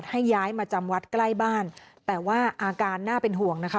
ให้ย้ายมาจำวัดใกล้บ้านแต่ว่าอาการน่าเป็นห่วงนะคะ